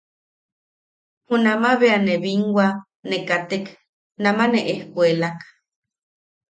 Junama bea ne binwa ne katek, nama ne ejkuelak.